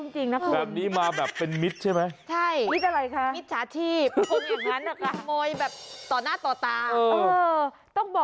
คิดไม่ทันลิง